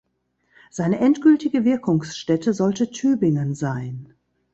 Seine endgültige Wirkungsstätte sollte Tübingen sein.